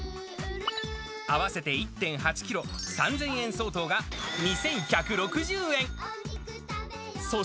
合わせて１．８キロ、３０００円相当が２１６０円。